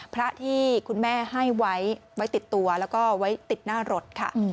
พระที่คุณแม่ให้ไว้ติดตัวแล้วก็ไว้ติดหน้ารถค่ะ